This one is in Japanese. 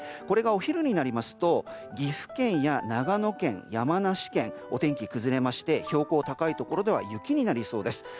これがお昼になりますと岐阜県や長野県山梨県、お天気崩れまして標高が高いところでは雪になりそうです。